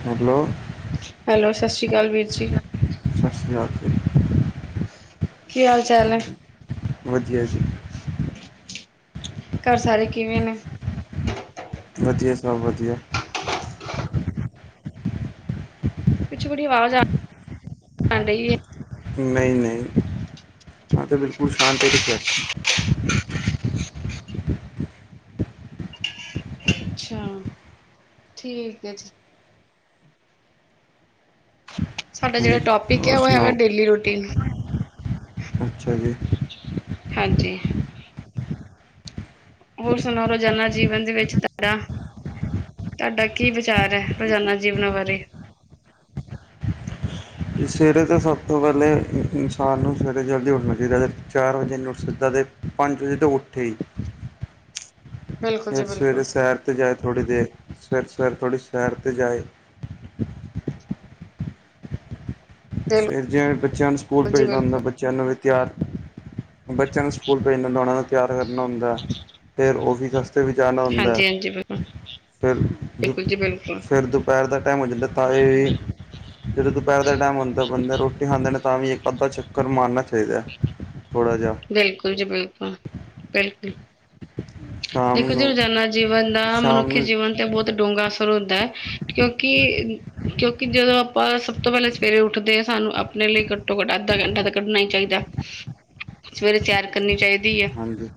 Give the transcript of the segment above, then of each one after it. Hello hello, Sat Sri ਅਕਾਲ ਵੀਰ ਜੀ। ਸਤਿ ਸ਼੍ਰੀ ਅਕਾਲ ਜੀ। ਕੀ ਹਾਲ ਚਾਲ ਨੇ? ਵਧੀਆ ਜੀ। ਘਰ ਸਾਰੇ ਕਿਵੇਂ ਨੇ? ਵਧੀਆ ਸਭ ਵਧੀਆ। ਪਿੱਛੋਂ ਬੜੀ ਆਵਾਜ਼ ਆ ਆਣ ਰਹੀ ਏ। ਨਹੀਂ-ਨਹੀਂ, ਮੈ ਤਾਂ ਬਿਲਕੁਲ ਸ਼ਾਂਤ ਵਿੱਚ ਬੈਠਾ। ਅੱਛਾ। ਠੀਕ ਹੈ ਜੀ। ਸਾਡਾ ਜਿਹੜਾ ਹਾਂਜੀ ਟੋਪਿਕ ਹੋਰ ਹੈ। ਉਹ ਹੈਗਾ ਸੁਣਾਓ ਡੇਲੀ ਰੂਟੀਨ ਅੱਛਾ ਜੀ। ਹਾਂਜੀ। ਹੋਰ, ਸੁਣਾ ਰੋਜ਼ਾਨਾ ਜੀਵਨ ਦੇ ਵਿੱਚ ਤੁਡਾ ਤੁਹਾਡਾ ਕੀ ਵਿਚਾਰ ਹੈ। ਰੋਜ਼ਾਨਾ ਜੀਵਨਾਂ ਬਾਰੇ ਸਵੇਰੇ ਤਾਂ ਸਭ ਤੋਂ ਪਹਿਲੇ ਇਨਸਾਨ ਨੂੰ ਸਵੇਰੇ ਜਲਦੀ ਉੱਠਣਾ ਚਾਹੀਦਾ, ਚਾਰ ਵਜੇ ਨਟ ਸਿੱਧਾ ਅਤੇ ਪੰਜ ਵਜੇ ਤੋਂ ਉੱਠੇ ਹੀ ਬਿਲਕੁਲ ਜੀ ਫਿਰ ਸਵੇਰੇ ਬਿਲਕੁਲ ਸੈਰ ਤੇ ਜਾਏ ਥੋੜ੍ਹੀ ਦੇਰ, ਸਵੇਰ -ਸਵੇਰ ਥੋੜ੍ਹੀ ਸੈਰ ਤੇ ਜਾਏ। ਬਿਲਕੁਲ ਫਿਰ ਜਿਵੇਂ ਬੱਚਿਆਂ ਨੂੰ ਸਕੂਲ ਜੀ ਭੇਜਦਾ ਹੁੰਦਾ, ਬਿਲਕੁਲ ਬੱਚਿਆਂ ਨੂੰ ਵੀਂ ਤਿਆਰ ਬੱਚਿਆਂ ਨੂੰ ਸਕੂਲ ਭੇਜਣਾ ਹੁੰਦਾ, ਉਹਨਾਂ ਨੂੰ ਤਿਆਰ ਕਰਨਾ ਹੁੰਦਾ ਹੈ, ਫਿਰ ਉਹ ਵੀ ਦ ਉੱਥੇ ਵੀ ਜਾਣਾ ਹੁੰਦਾ, ਹਾਂਜੀ ਹਾਂਜੀ ਬਿਲਕੁਲ ਫਿਰ ਦੁੱ ਬਿਲਕੁਲ ਜੀ ਬਿਲਕੁਲ ਫਿਰ ਦੁ ਦੁਪਹਿਰ ਦਾ ਟਾਈਮ ਹੋ ਜਾਂਦਾ, ਤਾ ਇਹ ਵੀ ਜਦੋਂ ਦੁਪਹਿਰ ਦਾ ਟਾਈਮ ਹੁੰਦਾ ਬੰਦੇ ਰੋਟੀ ਖਾਂਦਾ ਨਾ ਤਾਂ ਵੀ ਇੱਕ ਅੱਧਾ ਚੱਕ [inaudible] ਚਾਹੀਦਾ ਥੋੜ੍ਹਾ ਜਿਹਾ ਬਿਲਕੁਲ ਜੀ, ਬਿਲਕੁਲ-ਬਿਲਕੁਲ। [inaudible] ਦੇਖੋ ਜੀ, ਨੂੰ ਰੋਜ਼ਾਨਾ ਜੀਵਨ ਦਾ ਸ਼ਾਮ ਮਨੁੱਖੀ ਨੂੰ ਜੀਵਨ ਤੇ ਬਹੁਤ ਡੂੰਘਾ ਅਸਰ ਹੁੰਦਾ ਹੈ। ਕਿਉਂਕਿ ਕਿਉਂਕਿ ਜਦੋਂ ਆਪਾਂ ਸਭ ਤੋਂ ਪਹਿਲਾਂ ਸਵੇਰੇ ਉੱਠਦੇ ਹਾਂ, ਸਾਨੂੰ ਆਪਣੇ ਲਈ ਘਟੋ-ਘੱਟ, ਅੱਧਾ ਘੰਟਾ ਤਾਂ ਕੱਢਣਾ ਹੀ ਚਾਹੀਦਾ ਸਵੇਰੇ ਸੈਰ ਕਰਨੀ ਚਾਹੀਦੀ ਹੈ। ਹਾਂਜੀ।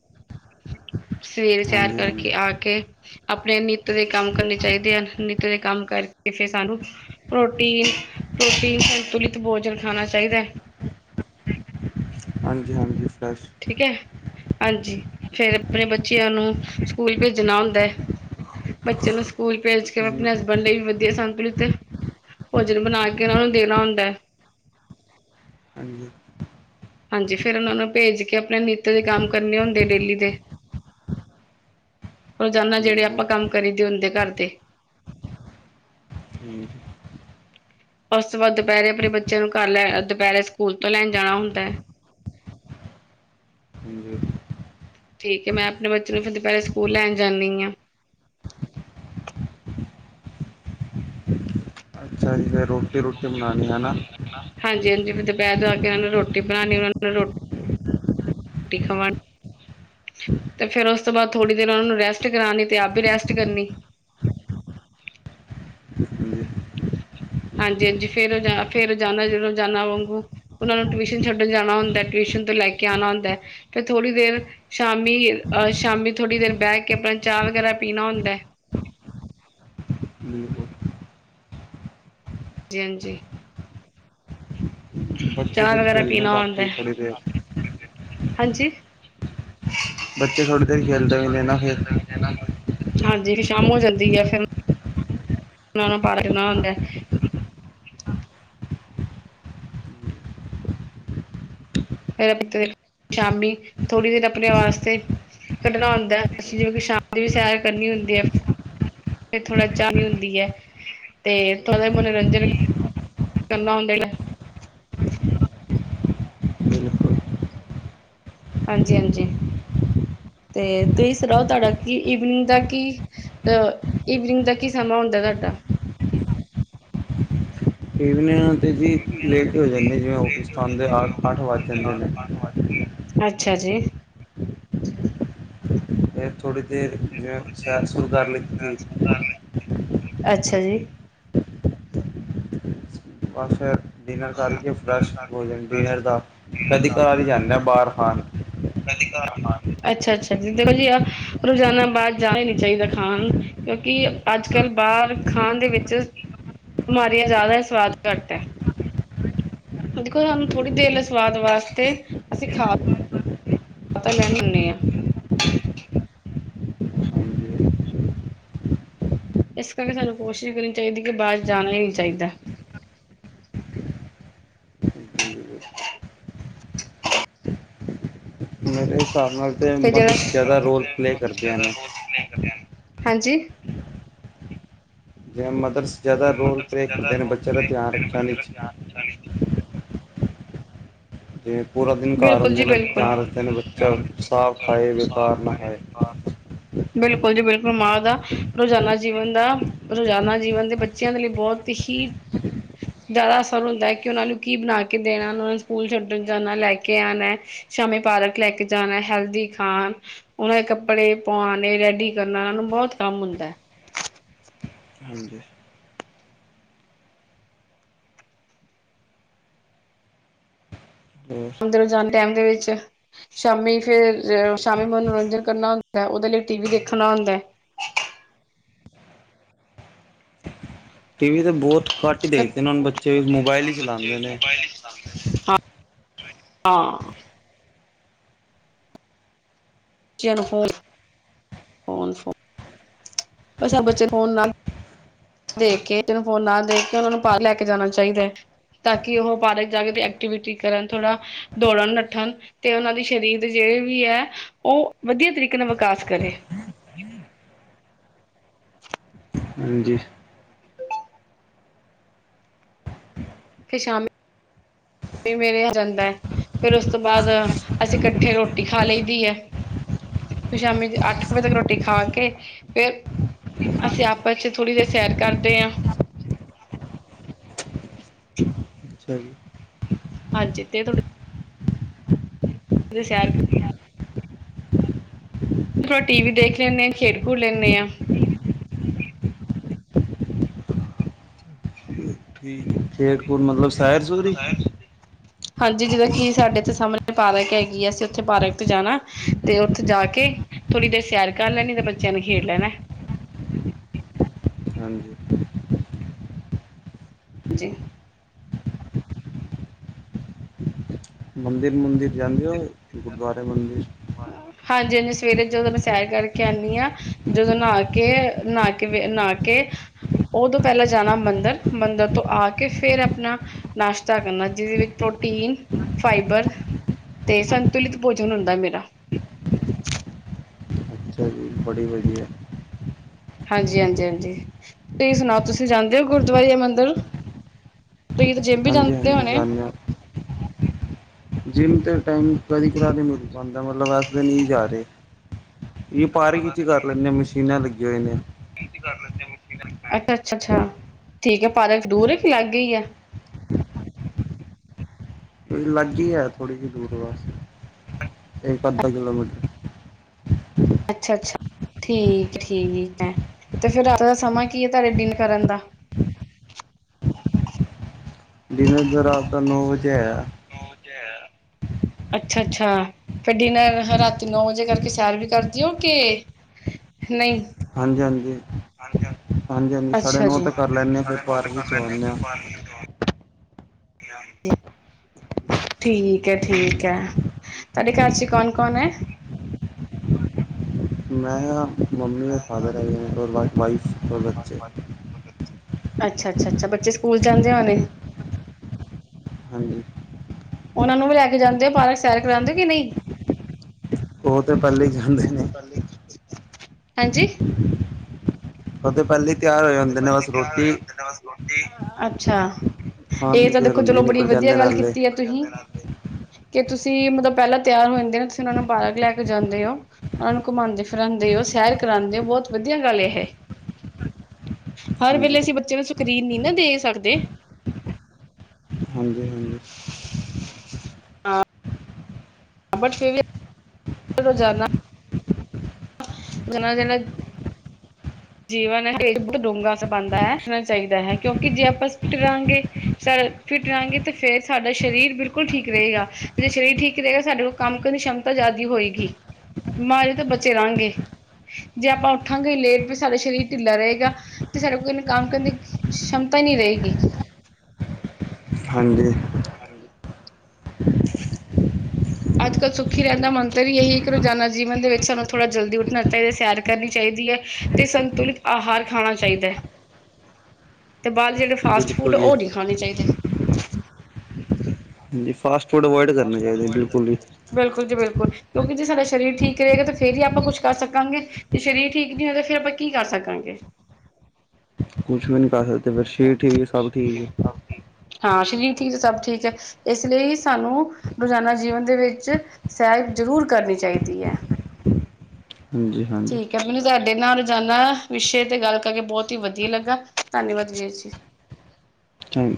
ਸਵੇਰ ਸੈਰ ਹਾਂਜੀ ਹਾਂਜੀ ਕਰਕੇ ਆ ਕੇ ਆਪਣੇ ਨਿੱਤ ਦੇ ਕੰਮ ਕਰਨੇ ਚਾਹੀਦੇ ਹਨ। ਨਿੱਤ ਦੇ ਕੰਮ ਕਰਕੇ ਕਿ ਫਿਰ ਸਾਨੂੰ ਪ੍ਰੋਟੀਨ ਪ੍ਰੋਟੀਨ ਸੰਤੁਲਿਤ ਭੋਜਨ ਖਾਣਾ ਚਾਹੀਦਾ ਹੈ। ਹਾਂਜੀ -ਹਾਂਜੀ ਫਰੈਸ਼। ਠੀਕ ਏ, ਹਾਂਜੀ। ਫੇਰ ਅਪਣੇ ਬੱਚਿਆਂ ਨੂੰ ਸਕੂਲ ਭੇਜਣਾ ਹੁੰਦੈ। ਬੱਚਿਆਂ ਨੂੰ ਸਕੂਲ ਭੇਜ ਕੇ ਮੈਂ ਅਪਣੇ ਹਾਂਜੀ ਹਸਬੈਂਡ ਲਈ ਵਧੀਆ ਸੰਕੁਲਿਤ ਭੋਜਨ ਬਨਾ ਕੇ ਓਣਾ ਨੂੰ ਦੇਣਾ ਹੁੰਦੈ। ਹਾਂਜੀ। ਹਾਂਜੀ ਫੇਰ ਉਨਾਂ ਨੂੰ ਭੇਜ ਕੇ ਅਪਣੇ ਨਿੱਤ ਦੇ ਕੰਮ ਕਰਨੇ ਹੁੰਦੇ ਡੇਲੀ ਦੇ। ਰੋਜ਼ਾਨਾ ਜੇੜੇ ਬਿਲਕੁਲ ਆਪਾਂ ਕੰਮ ਕਰੀਦੇ ਹੁੰਦੇ ਘਰ ਦੇ। ਹੂੰ। ਓਸ ਤੋਂ ਬਾਦ ਦੁਪੈਰੇ ਅਪਣੇ ਬੱਚਿਆਂ ਨੂੰ ਘਰ ਲੈ, ਦੁਪੈਰੇ ਸਕੂਲ ਤੋਂ ਲੈਣ ਜਾਣਾ ਹੁੰਦੈ। ਹਜੀ। ਠੀਕ ਏ, ਮੈਂ ਅਪਣੇ ਬੱਚੇ ਨੂੰ ਫੇਰ ਦੁਪੈਰੇ ਸਕੂਲ ਲੈਨ ਜਾਨੀ ਆ। ਅੱਛਾ ਜੀ ਫਿਰ ਰੋਟੀ -ਰੂਟੀ ਬਨਾਨੀ, ਹੈਨਾ? ਹਾਂਜੀ- ਹਾਂਜੀ, ਫੇਰ ਦੁਪੈਰ ਦ ਆ ਕੇ ਓਨਾਂ ਨੂੰ ਰੋਟੀ ਬਨਾਨੀ, ਓਨਾ ਨੂੰ ਰੋ ਰੋਟੀ ਖਵਾਨ ਤੇ ਫੇਰ ਓਸ ਤੋਂ ਬਾਦ ਥੋੜ੍ਹੀ ਦੇਰ ਓਨਾਂ ਨੂੰ ਰੈਸਟ ਕਰਾਣੀ ਤੇ ਆਪ ਵੀ ਰੈਸਟ ਕਰਨੀ। ਹਾਂਜੀ। ਹਾਂਜੀ-ਹਾਂਜੀ ਫੇਰ ਰੋਜਾ-ਫੇਰ ਜ਼ਾਨਾ-ਰੋਜ਼ਾਨਾ ਵਂਗੂ- ਓਨਾ ਨੂੰ ਟਿਊਸ਼ਨ ਛੱਡਣ ਜਾਣਾ ਹੁੰਦੈ, ਟਿਊਸ਼ਨ ਤੋਂ ਲੈ ਕੇ ਆਣਾ ਹੁੰਦੈ। ਤੇ ਥੋੜ੍ਹੀ ਦੇਰ ਸ਼ਾਮੀ, ਅ ਸ਼ਾਮੀ ਥੋੜ੍ਹੀ ਦੇਰ ਬੈ ਕੇ ਅਪਣਾ ਚਾਅ ਵਗੈਰਾ ਪੀਣਾ ਹੁੰਦੈ। ਬਿਲਕੁਲ। ਜੀ ਹਾਂਜੀ। ਬੱਚੇ ਚਾਅ ਫਿਰ ਵਗੈਰਾ ਖੇਲਦੇ ਨੇ ਪੀਣਾ ਰਾਤੀ ਹੁੰਦੈ, ਥੋੜ੍ਹੀ ਦੇਰ ਹਾਂਜੀ। ਬੱਚੇ ਥੋੜੀ ਦੇਰ ਖੇਲਦੇ ਵੀ ਨੇ ਨਾ ਫੇਰ। ਨਾ ਫੇਰ। ਹਾਂਜੀ ਫੇਰ ਸ਼ਾਮ ਹੋ ਜਾਂਦੀ ਐ ਫੇਰ [inaudible] ਓਨਾਂ ਨੂੰ ਪਾਰਕ ਜਾਨਾ ਹੁੰਦੈ। ਫੇਰ ਤੇ ਸ਼ਾਮੀ ਥੋੜ੍ਹੀ ਦੇਰ ਅਪਣੇ ਵਾਸਤੇ ਕੱਢਣਾ ਹੁੰਦੈ, ਅਸੀ ਕਿਉਕਿ ਸ਼ਾਮ ਦੀ ਵੀ ਸੈਰ ਕਰਨੀ ਹੁੰਦੀ ਏ। ਤੇ ਥੋੜਾ ਚਾਅ, ਕਰਨੀ ਹੁੰਦੀ ਐ। ਤੇ ਥੋੜਾ ਮਨੋਰੰਜਨ ਕਰਨਾ ਹੁੰਦੈ। ਬਿਲਕੁਲ ਹਾਂਜੀ-ਹਾਂਜੀ। ਤੇ ਤੁਸੀਂ ਸੁਣਾਓ ਤੁਆਡਾ ਕੀ ਇਵਨਿੰਗ ਦਾ ਕੀ ਅ ਈਵਨਿੰਗ ਦਾ ਕੀ ਸਮਾਂ ਹੁੰਦਾ ਤੁਆਡਾ? ਇਵਨਿੰਗ ਤੇ ਜੀ ਲੇਟ ਈ ਹੋ ਜਾਈਦੈ, ਜਿਵੇਂ ਆਫਿਸ ਤੋਂ ਆਂਦੇ ਅ - ਅੱਠ ਵੱਜ ਜਾਂਦੇ ਨੇ। ਅੱਛਾ ਜੀ। ਫੇਰ ਥੋੜੀ ਦੇਰ ਜਿਵੇਂ ਸੈਰ-ਸੂਰ ਕਰ ਲਈ ਦੀ। ਅੱਛਾ ਜੀ। ਪਰ ਫੇਰ ਡਿਨਰ ਕਰਕੇ ਫਰੈਸ਼ ਭੋਜਨ। ਡਿਨਰ ਤਾਂ, ਕਦੀ-ਕਦਾਰ ਈ ਜਾਂਨੇ ਆ ਬਾਰ ਖਾਨ। ਅੱਛਾ-ਅੱਛਾ ਜੀ। ਦੇਖੋ ਜੀ ਅ ਰੋਜਾਨਾ ਬਾਰ ਜਾਨਾ ਈ ਨੀ ਚਾਈਦਾ ਖਾਨ। ਕਿਉਂਕਿ ਅੱਜ ਕੱਲ੍ਹ ਬਾਰ ਖਾਨ ਦੇ ਵਿੱਚ ਬਿਮਾਰੀਆਂ ਜਾਦਾ ਐ, ਸੁਆਦ ਘੱਟ ਐ। ਓ ਦੇਖੋ ਸਾਨੂੰ, ਥੋੜੀ ਦੇਰ ਲਈ ਸੁਆਦ ਵਾਸਤੇ ਅਸੀਂ ਖਾ ਖਾ ਤਾ ਲੈਨੇ ਹੁੰਨੇ ਆ। ਏਸ ਕਰਕੇ ਸਾਨੂੰ ਕੋਸ਼ਿਸ਼ ਕਰਨੀ ਚਾਈਦੀ ਕਿ ਬਾਰ ਜਾਨਾ ਈ ਨੀ ਚਾਈਦਾ। ਮੇਰੇ ਹਿਸਾਬ ਨਾਲ ਤੇ ਫਿਰ ਮਦਰਸ ਜਾਦਾ ਰੋਲ ਪਲੇਅ ਕਰਦਿਆਂ ਨੇ। ਸ ਪਲੇ ਕਰਦੇ ਐਂ। ਹਾਂਜੀ। ਜਿਵੇਂ ਮਦਰਸ ਜਿਆਦਾ ਰੋਲ ਪਲੇਅ ਕਰਦੇ ਨੇ ਬੱਚਿਆਂ ਦਾ ਧਿਆਨ ਰੱਖੇਅਨ ਵਿੱਚ। [unintelligible] ਜਿਵੇਂ ਪੂਰਾ ਦਿਨ ਘਰ ਬਿਲਕੁਲ ਹੁੰਦੇ ਜੀ ਨੇ ਬਿਲਕੁਲ। ਧਿਆਨ ਰੱਖਦੇ ਨੇ ਬੱਚਾ ਸਾਫ਼ ਖਾਏ ਬੇਕਾਰ ਨਾ ਖਾਏ। ਬਿਲਕੁਲ ਜੀ, ਬਿਲਕੁਲ ਮਾਂ ਦਾ ਰੋਜਾਨਾ ਜੀਵਨ ਦਾ, ਰੋਜਾਨਾ ਜੀਵਨ ਦੇ ਬੱਚਿਆਂ ਦੇ ਲਈ ਬੋਤ ਹੀ ਜਿਆਦਾ ਅਸਰ ਹੁੰਦੈ ਕਿ ਓਨਾਂ ਨੂੰ ਕੀ ਬਨਾ ਕੇ ਦੇਣਾ ਓਨਾ ਨੂੰ ਸਕੂਲ ਛੱਡਨ ਜਾਨਾ ਲੈ ਕੇ ਆਨੈ, ਸ਼ਾਮੀ ਪਾਰਕ ਲੈ ਕੇ ਜਾਨੈ, ਹੈਲਦੀ ਖਾਨ ਓਨਾਂ ਦੇ ਕੱਪੜੇ ਪੁਆਨੇ, ਰੈਡੀ ਕਰਨਾ ਓਨਾ ਨੂੰ ਬੋਤ ਕੰਮ ਹੁੰਦੈ। ਹਾਂਜੀ। ਹੰ। ਓਨਦੇ ਰੋਜਾਨ ਟੈਮ ਦੇ ਵਿੱਚ ਸ਼ਾਮੀ ਫਿਰ ਸ਼ਾਮੀ ਮਨੋਰੰਜਨ ਕਰਨਾ ਹੁੰਦਾ, ਓਦੇ ਲਈ ਟੀਵੀ ਦੇਖਣਾ ਹੁੰਦੈ। ਟੀਵੀ ਤੇ ਬੋਤ ਘੱਟ ਈ ਦੇਖਦੇ ਨੇ ਹੁਨ ਬੱਚੇ, ਮੋਬਾਇਲ ਈ ਚਲਾਂਦੇ ਨੇ। ਹਾਂ, ਆਂ। ਚਿਆਂ ਨੂੰ ਫੋਨ, ਫੋਨ, ਬਸ ਐ ਬੱਚੇ ਫੋਨ ਨਾਲ ਦੇਖ ਕੇ ਤਨੂੰ ਫੋਨ ਨਾਲ ਦੇਖ ਕੇ ਓਨਾ ਨੂੰ ਪਾਰ ਲੈ ਕੇ ਜਾਨਾ ਚਾਈਦੈ। ਤਾਂ ਕਿ ਓਹ ਪਾਰਕ ਜਾ ਕੇ ਤੇ ਐਕਟੀਵਿਟੀ ਕਰਨ ਥੋੜਾ ਦੌੜਨ-ਨੱਠਣ ਤੇ ਓਨਾਂ ਦੀ ਸ਼ਰੀਰ ਦੇ ਜੇੜੇ ਵੀ ਐ ਔ ਵਧੀਆ ਤਰੀਕੇ ਨਾਲ ਵਕਾਸ ਕਰੇ। ਹਾਂਜੀ। ਫੇਰ ਸ਼ਾਮ, ਫੇਰ ਮੇਰੇ ਆ ਜਾਂਦੈ। ਫਿਰ ਉਸ ਤੋਂ ਬਾਦ ਅਸੀ ਕੱਠੇ ਈ ਰੋਟੀ ਖਾ ਲਈ ਦੀ ਐ। ਫਿਰ ਸ਼ਾਮੀ ਅੱਠ ਕੁ ਵਜੇ ਤੱਕ ਰੋਟੀ ਖਾ ਕੇ ਫੇਰ ਅਸੀ ਆਪਸ 'ਚ ਥੋੜੀ ਦੇਰ ਸੈਰ ਕਰਦੇ ਆਂ ਅੱਛਾ ਜੀ ਹਾਂਜੀ ਤੇ ਤੁਆ ਡੀ ਸੈਰ ਥੋੜਾ ਟੀਵੀ ਦੇਖ ਲੈਨੇ ਆਂ, ਖੇਡ-ਖੂਡ ਲੈਂਨੇ ਆਂ। ਖੇਡ-ਖੂਡ ਮਤਲਬ ਸੈਰ-ਸੂਰ ਈ? ਹਾਂਜੀ ਜਿਦੋਂ ਕਿ ਸਾਡੇ ਏੱਥੇ ਸਾਮਨੇ ਪਾਰਕ ਹੈਗੀ ਐ ਅਸੀ ਓਥੇ ਪਾਰਕ ਤੇ ਜਾਨਾ ਤੇ ਓਥੇ ਜਾ ਕੇ ਥੋੜੀ ਦੇਰ ਸੈਰ ਕਰ ਲੈਨੀ ਫੇਰ ਬੱਚਿਆਂ ਨੇ ਖੇਡ ਲੈਨੈ। ਹਾਂਜੀ। ਜੀ। ਮੰਦਿਰ-ਮੁੰਦਿਰ ਜਾਂਦੇ ਓ, ਗੁਰਦੁਆਰੇ ਮੰਦਿਰ? ਹਾਂਜੀ-ਹਾਂਜੀ ਸਵੇਰੇ ਜਦੋ ਮੈਂ ਸੈਰ ਕਰਕੇ ਆਂਨੀਂ ਆਂ ਜਦੋਂ ਨਾਂਅ ਕੇ, ਅ ਨਾਂਅ ਕੇ, ਵੇ ਨਾਂਅ ਕੇ ਓ ਤੋ ਪੈਲਾਂ ਜਾਨਾ ਮੰਦਿਰ, ਮੰਦਿਰ ਤੋਂ ਆ ਕੇ ਫੇਰ ਆਪਨਾ ਨਾਸ਼ਤਾ ਕਰਨਾ। ਜਿਦੇ ਵਿੱਚ ਪ੍ਰੋਟੀਨ, ਫਾਈਬਰ ਤੇ ਸਨ ਤੁਲਿਤ ਭੋਜਨ ਹੁੰਦੈ ਮੇਰਾ। ਅੱਛਾ ਜੀ ਬੜੀ ਵਧੀਐ। ਹਾਂਜੀ-ਹਾਂਜੀ-ਹਾਂਜੀ। ਤੁਸੀ ਸੁਨਾੳ, ਤੁਸੀ ਜਾਂਦੇ ਓ ਗੁਰਦੁਆਰੇ ਯਾਂ ਮੰਦਰ? ਤੁਹੀ ਤੇ ਜਿਮ ਵੀ ਹਾਂਜੀ ਜਾਂਦੇ ਹਾਂਜੀ ਹੋਨੇ? ਜਿਮ ਤੇ ਟਾਈਮ ਕਦੀ ਕਦਾਰ ਨੀ ਮਿਲ ਪਾਂਦਾ ਮਤਲਬ ਅੱਜ ਤੇ ਨੀ ਜਾ ਰੇ। ਈ ਪਾਰਕ ਇੱਚ ਈ ਕਰ ਲੈਂਨੇ ਆਂ, ਮਸ਼ੀਨਾਂ ਲੱਗਿਆਂ ਹੋਈ ਨੇ। ਅੱਛਾ, ਅੱਛਾ-ਅੱਛਾ, ਠੀਕ ਹੈ। ਪਾਰਕ ਦੂਰ ਏ ਕੇ ਲਾਗੇ ਹੀ ਏ? ਲਾਗੇ ਹੀ ਹੈ, ਥੋੜ੍ਹੀ ਜਿਹੀ ਦੂਰ ਵਾਸਤੇ ਇੱਕ ਅੱਧਾ ਕਿਲੋਮੀਟਰ ਅੱਛਾ-ਅੱਛਾ, ਠੀਕ-ਠੀਕ ਹੈ, ਤੇ ਫਿਰ ਰਾਤ ਦਾ ਸਮਾਂ ਕੀ ਹੈ ਤੁਹਾਡੇ ਡਿਨਰ ਕਰਨ ਦਾ? ਡਿਨਰ ਰਾਤ ਦਾ ਨੌ ਵਜੇ ਆਇਆ। ਅੱਛਾ-ਅੱਛਾ। ਫਿਰ ਡਿਨਰ ਰਾਤੀ ਨੌ ਵਜੇ ਕਰਕੇ ਸੈਰ ਵੀ ਕਰ ਦੇ ਓ ਕਿ ਨਹੀਂ? ਹਾਂਜੀ-ਹਾਂਜੀ, ਹਾਂਜੀ-ਹਾਂਜੀ, ਸਾਢੇ ਅੱਛਾ ਨੌ ਜੀ। ਤਕ ਕਰ ਲੈਂਦੇ ਹਾਂ। ਫਿਰ ਪਾਰਕ ਵਿੱਚ ਆਉਂਦੇ ਹਾਂ। [unintelligible] [unintelligible] [unintelligible] ਠੀਕ ਹੈ, ਠੀਕ ਹੈ, ਤੁਹਾਡੇ ਘਰ ਚੀ ਕੌਣ-ਕੌਣ ਹੈ? ਮੈਂ ਆ ਮੰਮੀ ਆ ਫਾਦਰ ਹੈ, ਜਾ ਵਾਈਫ ਦੋ ਬੱਚੇ। ਅੱਛਾ, ਅੱਛਾ-ਅੱਛਾ, ਬੱਚੇ ਸਕੂਲ ਜਾਂਦੇ ਹੋਨੇ? ਹਾਂਜੀ। ਉਹਨਾ ਨੂੰ ਵੀ ਲੈ ਕੇ ਜਾਂਦੇ ਆ। ਪਾਰਕ ਸੈਰ ਕਰਾਉਂਦੇ ਕਿ ਨਹੀਂ? ਉਹ ਤਾਂ ਪਹਿਲੇੇ ਹੀ ਜਾਂਦੇ ਨੇ। [inaudible] ਹੈਂਜੀ। ਉਹਦੇ ਪਹਿਲੇ ਤਿਆਰ ਹੋਏ ਹੁੰਦੇ ਨੇ, ਬਸ ਰੋਟੀ ਅੱਛਾ, ਖਾਣ ਇਹ ਦੀ ਤਾਂ ਦੇਰ ਦੇਖੋ ਹੁੰਦੀ ਚਲੋ ਬੜੀ ਨਿਕਲ ਵਧੀਆ ਜਾਂਦੇ ਗੱਲ ਨਾਲੇ ਕੀਤੀ ਆ। ਤੁਸੀਂ ਕਿ ਤੁਸੀਂ ਮਤਲਬ ਪਹਿਲਾਂ ਤਿਆਰ ਹੋ ਜਾਂਦੇ ਨੇ, ਤੁਸੀਂ ਉਹਨਾ ਨੂੰ ਪਾਲਕ ਲੈ ਕੇ ਜਾਂਦੇ ਹੋ। ਓਨਾ ਨੂੰ ਘੁਮਾਉਂਦੇ ਫਿਰਰਾਉਂਦੇ ਉਹ ਸੈਰ ਕਰਾਉਂਦੇ ਬਹੁਤ ਵਧੀਆ ਗੱਲ ਇਹ ਹੈ। ਹਰ ਹਾਂਜੀ ਵੇਲੇ ਅਸੀਂ ਬੱਚੇ ਨੂੰ ਸਕਰੀਨ ਨਹੀਂ ਨਾ ਦੇ ਸਕਦੇ। ਹਾਂਜੀ-ਹਾਂਜੀ। ਹਾਂ। ਬਟ ਫਿਰ ਰੋਜ਼ਾਨਾ [unintelligible] ਜੀਵਨ ਬਹੁਤ ਡੂੰਘਾ [inaudible] ਕਿਉਂਕਿ ਜੇ ਆਪਾਂ ਫਟ ਰਹਾਂਗੇ ਸ ਫਿੱਟ ਰਹਾਂਗੇ, ਤੇ ਫੇਰ ਸਾਡਾ ਸਰੀਰ ਬਿਲਕੁਲ ਠੀਕ ਰਹੇਗਾ। ਤੇ ਜੇ ਸਰੀਰ ਠੀਕ ਰਹੇਗਾ, ਸਾਡੇ ਕੋਲ ਕੰਮ ਕਰਨ ਦੀ ਸਮਤਾ ਜ਼ਿਆਦਾ ਹੋਏਗੀ। [unintelligible] ਸਾਡਾ ਸਰੀਰ ਢਿੱਲਾ ਰਹੇਗਾ, ਤੇ ਸਾਡੇ ਕੋਲ ਕੰਮ ਕਰਨ ਦੀ ਸਮਤਾ ਹੀ ਨਹੀਂ ਰਹੇਗੀ। ਹਾਂਜੀ। ਹਾਜੀ। [unintelligible] ਅੱਜ-ਕੱਲ੍ਹ ਸੁਖੀ ਰਹਿਣ ਦਾ ਮੰਤਰ ਵੀ ਇਹੀ ਇੱਕ ਰੋਜ਼ਾਨਾ ਜੀਵਨ ਦੇ ਵਿੱਚ ਸਾਨੂੰ ਥੋੜ੍ਹਾ ਜਲਦੀ ਉੱਠਣਾ ਚ ਸੈਰ ਕਰਨੀ ਚਾਹੀਦੀ ਹੈ, ਤੇ ਸੰਤੁਲਿਤ ਆਹਾਰ ਖਾਣਾ ਚਾਹੀਦਾ ਹੈ। ਤੇ ਬਾਅਦ ਜਿਹੜੇ ਫਾਸਟ ਫੂਡ ਬਿਲਕੁਲ ਜੀ ਉਹ ਨਹੀਂ ਖਾਣੇ ਚਾਹੀਦੇ। ਹਾਂਜੀ, ਫਾਸਟ ਫੂਡ ਅਵਾਇਡ ਕਰਨੇ ਚਾਹੀਦੇ ਬਿਲਕੁਲੀ ਬਿਲਕੁਲ ਜੀ ਬਿਲਕੁਲ, ਕਿਉਂਕਿ ਜੇ ਸਾਡਾ ਸਰੀਰ ਠੀਕ ਰਹੇਗਾ, ਤਾਂ ਫੇਰ ਹੀ ਆਪਾਂ ਕੁਛ ਕਰ ਸਕਾਂਗੇ। ਤੇ ਸਰੀਰ ਠੀਕ ਨੀ ਹੈਗਾ, ਫੇਰ ਆਪਾਂ ਕੀ ਕਰ ਸਕਾਂਗੇ। ਕੁਛ ਵੀ ਨੀ ਕਰ ਸਕਦੇ, ਫੇਰ ਸ਼ਰੀਰ ਠੀਕ ਸਭ ਠੀਕ ਹੈ। ਹਾਂ, ਸਰੀਰ ਠੀਕ ਸਭ ਠੀਕ ਹੈ, ਇਸ ਲਈ ਸਾਨੂੰ ਰੋਜ਼ਾਨਾ ਜੀਵਨ ਦੇ ਵਿੱਚ ਸੈਰ ਜ਼ਰੂਰ ਕਰਨੀ ਚਾਹੀਦੀ ਹੈ। ਹਂਜੀ ਠੀਕ ਹੈ। ਮੈਨੂੰ ਤਾਡੇ ਨਾਲ ਰੋਜ਼ਾਨਾ ਵਿਸ਼ੇ ਤੇ ਗੱਲ ਕਰਕੇ ਬਹੁਤ ਹੀ ਵਧੀਆ ਲੱਗਾ ਧੰਨਵਾਦ [unintelligible] ਜੀ। ਥੈਂਕ